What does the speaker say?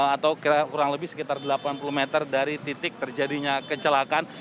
atau kurang lebih sekitar delapan puluh meter dari titik terjadinya kecelakaan